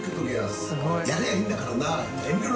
やればいいんだからな。